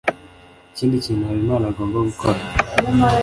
Iki nikintu Habimana agomba gukora.